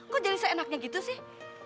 kok jadi seenaknya gitu sih